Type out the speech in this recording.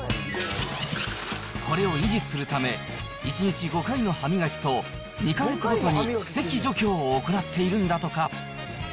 これを維持するため、１日５回の歯磨きと、２か月ごとに歯石除去を行っているんだとか。